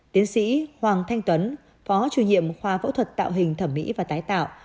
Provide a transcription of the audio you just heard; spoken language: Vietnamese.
tiến sĩ hoàng thanh tuấn phó chủ nhiệm khoa phẫu thuật tạo hình thẩm mỹ và tái tạo